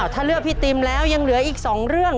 ถ้าเลือกพี่ติมแล้วยังเหลืออีก๒เรื่อง